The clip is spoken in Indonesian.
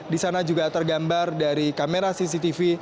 di sana juga tergambar dari kamera cctv